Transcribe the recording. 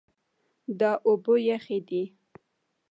دا اوبه یخې دي.